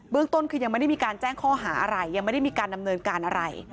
เรื่องต้นคือยังไม่ได้มีการแจ้งข้อหาอะไรยังไม่ได้มีการดำเนินการอะไร